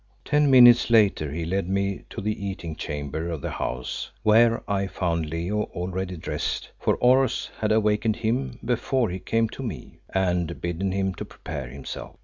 Ten minutes later he led me to the eating chamber of the house, where I found Leo already dressed, for Oros had awakened him before he came to me and bidden him to prepare himself.